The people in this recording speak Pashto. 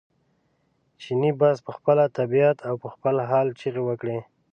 چیني بس په خپله طبعیت او په خپل حال چغې وکړې.